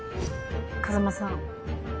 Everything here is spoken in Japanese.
風真さん。